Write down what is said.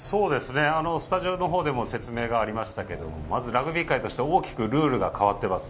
スタジオの方でも説明がありましたがまずラグビー界として大きくルールが変わっています。